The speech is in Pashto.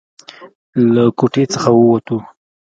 له کوټې څخه ووتو.